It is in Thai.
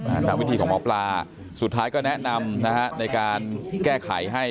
ตามวิธีของหมอปลาสุดท้ายก็แนะนำนะฮะในการแก้ไขให้